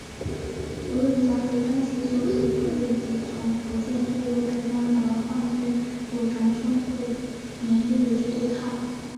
卢永祥则将其所属部队及从福建退入浙江的皖军组成淞沪联军与之对抗。